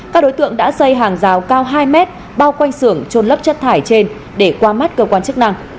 các đối tượng đã xây hàng rào cao hai mét bao quanh xưởng trôn lấp chất thải trên để qua mắt cơ quan chức năng